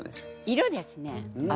色ですね。